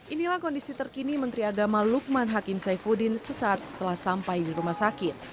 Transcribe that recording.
inilah kondisi terkini menteri agama lukman hakim saifuddin sesaat setelah sampai di rumah sakit